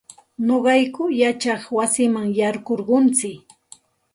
Nuqayku yachay wasiman yaykurquntsik.